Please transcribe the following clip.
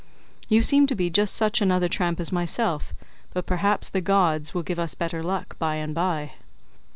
You seem to be just such another tramp as myself, but perhaps the gods will give us better luck by and by.